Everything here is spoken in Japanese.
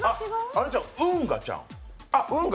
運河ちゃうん？